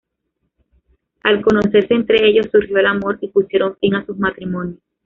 Al conocerse entre ellos, surgió el amor y pusieron fin a sus matrimonios.